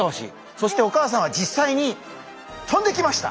そしてお母さんは実際にとんできました！